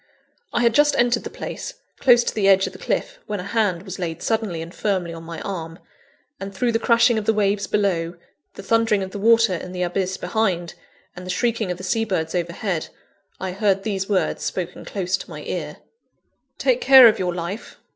I had just entered the place, close to the edge of the cliff, when a hand was laid suddenly and firmly on my arm; and, through the crashing of the waves below, the thundering of the water in the abyss behind, and the shrieking of the seabirds overhead, I heard these words, spoken close to my ear: "Take care of your life.